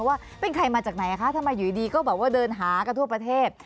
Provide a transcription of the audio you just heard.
ว่าเป็นใครมาจากไหนคะทำไมอยู่ดีก็แบบว่าเดินหากันทั่วประเทศ